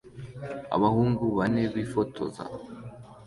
Abahungu bane bifotoza